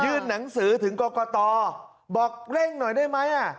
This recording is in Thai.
หนังสือถึงกรกตบอกเร่งหน่อยได้ไหม